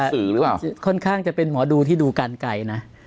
รู้สึกเขาจะค่อนข้างจะเป็นหมอดูที่ดูกันไกลนะ